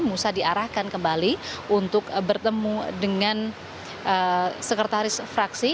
musa diarahkan kembali untuk bertemu dengan sekretaris fraksi